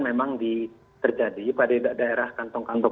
memang terjadi pada daerah kantong kantong